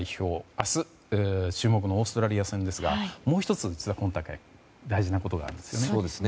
明日、注目のオーストラリア戦ですがもう１つ、今大会大事なことがあるんです。